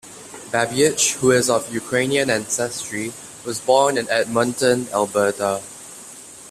Babych, who is of Ukrainian ancestry, was born in Edmonton, Alberta.